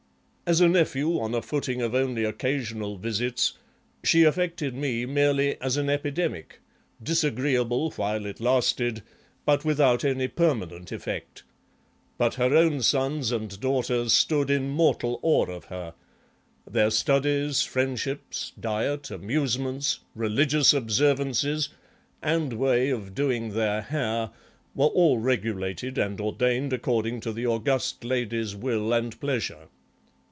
As a nephew on a footing of only occasional visits she affected me merely as an epidemic, disagreeable while it lasted, but without any permanent effect; but her own sons and daughters stood in mortal awe of her; their studies, friendships, diet, amusements, religious observances, and way of doing their hair were all regulated and ordained according to the august lady's will and pleasure.